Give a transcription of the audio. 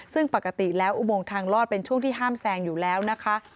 ซึ่งปกติแล้วอุโมงทางลอดเป็นช่วงที่ห้ามแซงอยู่แล้วนะคะ